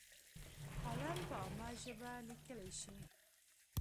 کالم په عامه ژبه لیکلی شي.